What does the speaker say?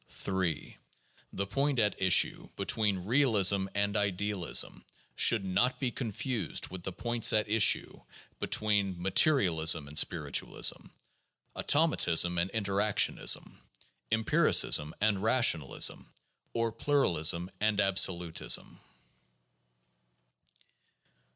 3. The point at issue between realism and idealism should not be confused with the points at issue between materialism and spiritual ism, automatism and interactionism, empiricism and rationalism, or pluralism and absolutism.